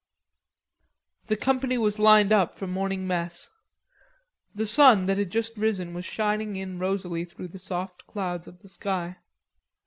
The company was lined up for morning mess. The sun that had just risen was shining in rosily through the soft clouds of the sky.